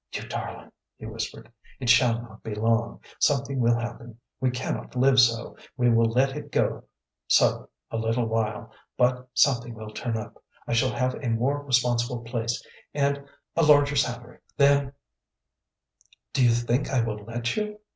"You darling," he whispered. "It shall not be long. Something will happen. We cannot live so. We will let it go so a little while, but something will turn up. I shall have a more responsible place and a larger salary, then " "Do you think I will let you?"